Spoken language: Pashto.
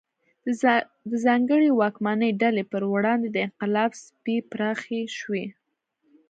د ځانګړې واکمنې ډلې پر وړاندې د انقلاب څپې پراخې شوې.